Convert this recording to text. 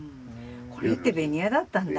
これってベニヤだったんだ。